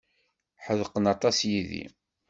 Ḥedqen aṭas yid-i.